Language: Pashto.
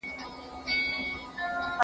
اوس نږدې سهار دی.